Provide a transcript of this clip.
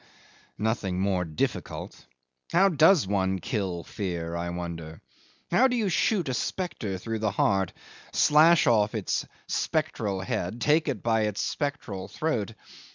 Nothing more difficult. How does one kill fear, I wonder? How do you shoot a spectre through the heart, slash off its spectral head, take it by its spectral throat?